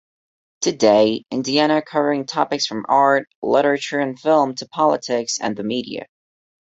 Today, Indiana covering topics from art, literature and film to politics and the media.